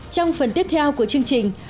trong phần tiếp theo của chương trình